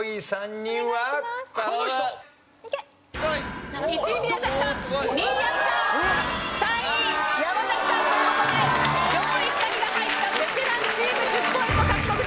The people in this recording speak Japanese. ２位やくさん３位山崎さんという事で上位２人が入ったベテランチーム１０ポイント獲得です。